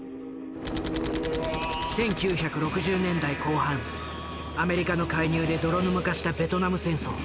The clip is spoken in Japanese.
１９６０年代後半アメリカの介入で泥沼化したベトナム戦争。